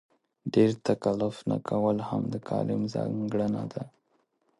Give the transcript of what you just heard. ډېر تکلف نه کول هم د کالم ځانګړنه ده.